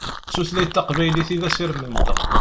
D tutlayt taqbaylit i d asirem-nteɣ.